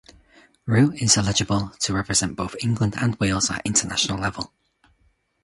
Rew is eligible to represent both England and Wales at international level.